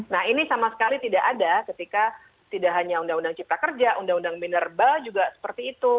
nah ini sama sekali tidak ada ketika tidak hanya undang undang cipta kerja undang undang minerba juga seperti itu